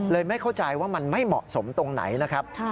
ไม่เข้าใจว่ามันไม่เหมาะสมตรงไหนนะครับ